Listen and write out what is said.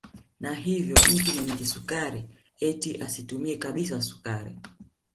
Na hivyo mtu mwenye kisukari eti asitumie kabisa sukari